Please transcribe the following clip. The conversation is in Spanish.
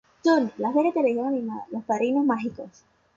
Turner en la serie de televisión animada, Los padrinos mágicos.